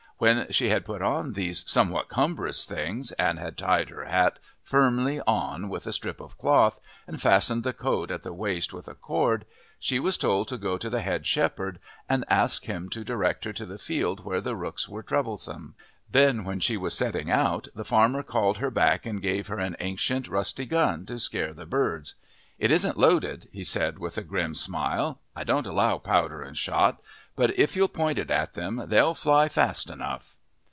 When she had put on these somewhat cumbrous things, and had tied her hat firmly on with a strip of cloth, and fastened the coat at the waist with a cord, she was told to go to the head shepherd and ask him to direct her to the field where the rooks were troublesome. Then when she was setting out the farmer called her back and gave her an ancient, rusty gun to scare the birds. "It isn't loaded," he said, with a grim smile. "I don't allow powder and shot, but if you'll point it at them they'll fly fast enough."